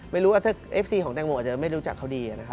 ไม่รู้ว่าถ้าเอฟซีของแตงโมอาจจะไม่รู้จักเขาดีนะครับ